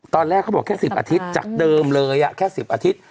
ตอนแรกเขาบอกแค่๑๐อาทิตย์จากเดิมเลยแค่๑๐อาทิตย์